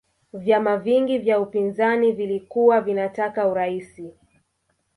vyama vingi vya upinzani vilikuwa vinataka uraisi